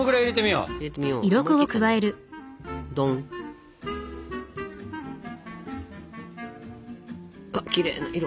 うわっきれいな色。